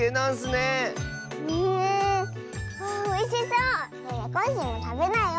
ねえコッシーもたべなよ！